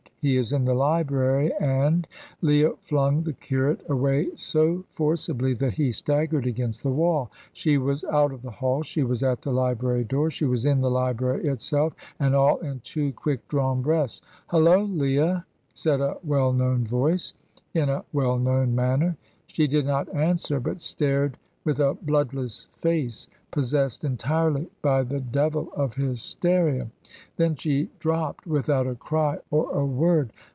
He is in the library, and " Leah flung the curate away so forcibly that he staggered against the wall. She was out of the hall, she was at the library door, she was in the library itself, and all in two quick drawn breaths. "Hulloa, Leah," said a well known voice, in a well known manner. She did not answer, but stared with a bloodless face, possessed entirely by the devil of hysteria. Then she dropped, without a cry or a word.